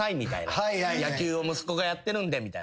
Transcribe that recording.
「野球を息子がやってるんで」みたいな。